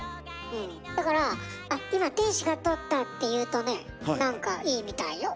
うんだから「あっ今天使が通った」って言うとね何かいいみたいよ。